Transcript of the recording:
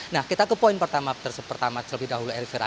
nah kita ke poin pertama terlebih dahulu elvira